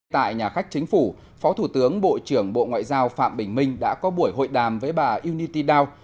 tại nhà khách chính phủ phó thủ tướng bộ trưởng bộ ngoại giao phạm bình minh đã có buổi hội đàm với bà unity down